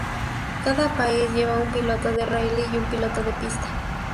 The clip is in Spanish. Cada país lleva un piloto de rally y un piloto de pista.